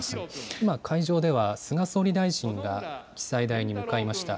今会場では、菅総理大臣が記載台に向かいました。